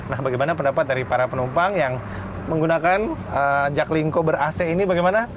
nah bagaimana pendapat dari para penumpang yang menggunakan jaklingko ber ac ini bagaimana